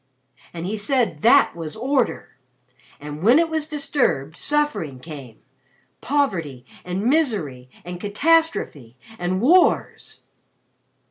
And he said that was Order. And when it was disturbed, suffering came poverty and misery and catastrophe and wars."